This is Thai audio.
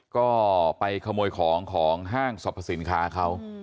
ก็ไปขโมยของของห้างสรรพสินค้าเขา